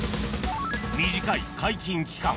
短い解禁期間